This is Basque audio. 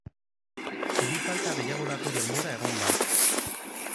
Bi falta gehiagorako denbora egon da.